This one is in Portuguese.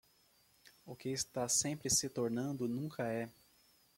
O que está sempre se tornando, nunca é.